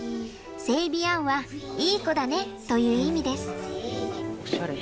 セビアンはいい子だねという意味です。